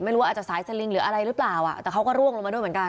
ไม่รู้ว่าอาจจะสายสลิงหรืออะไรหรือเปล่าอ่ะแต่เขาก็ร่วงลงมาด้วยเหมือนกัน